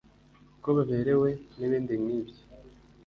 ko baberewe n’ibindi nk’ ibyo